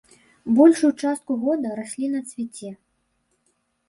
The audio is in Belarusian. Большую частку года расліна цвіце.